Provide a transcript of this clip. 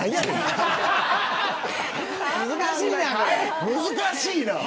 難しいな。